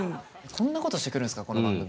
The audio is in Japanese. こんなことしてくるんすかこの番組。